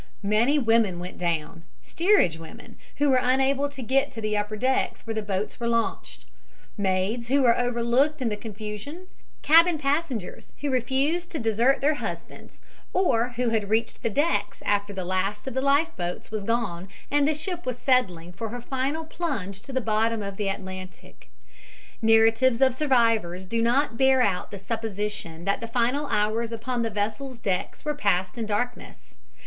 Many women went down, steerage women who were unable to get to the upper decks where the boats were launched, maids who were overlooked in the confusion, cabin passengers who refused to desert their husbands or who reached the decks after the last of the life boats was gone and the ship was settling for her final plunge to the bottom of the Atlantic. Narratives of survivors do not bear out the supposition that the final hours upon the vessel's decks were passed in darkness.